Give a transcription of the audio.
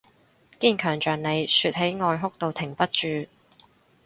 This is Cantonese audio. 堅強像你，說起愛哭到停不住